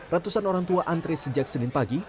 ratusan orang tua antre sejak senin pagi